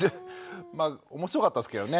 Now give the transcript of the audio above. まあ面白かったですけどね。